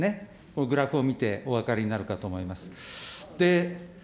このグラフを見てお分かりになるかと思います。